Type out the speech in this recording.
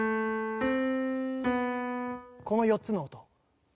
この４つの音。